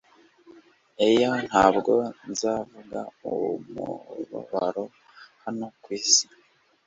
Ai ntabwo nzavuga umubabaro hano kwisi